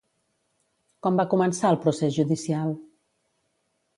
Com va començar el procés judicial?